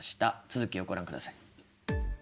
続きをご覧ください。